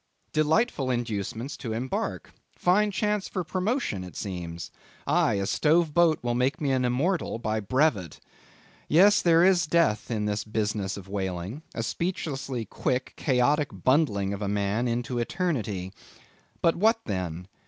Delightful inducements to embark, fine chance for promotion, it seems—aye, a stove boat will make me an immortal by brevet. Yes, there is death in this business of whaling—a speechlessly quick chaotic bundling of a man into Eternity. But what then?